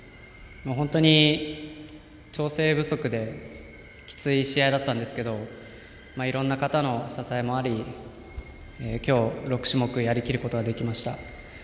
本当に調整不足できつい試合だったんですけどいろいろな方の支えもあり今日、６種目やりきることができました。